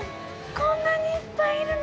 こんなにいっぱいいるの？